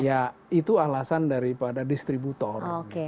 ya itu alasan daripada distributor